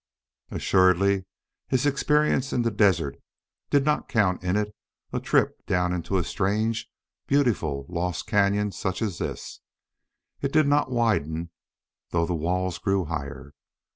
Assuredly his experience in the desert did not count in it a trip down into a strange, beautiful, lost cañon such as this. It did not widen, though the walls grew higher.